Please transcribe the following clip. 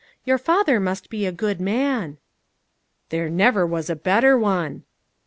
Your father must be a good man." " There never was a better one !